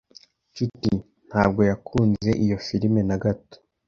Nshuti ntabwo yakunze iyo firime na gato.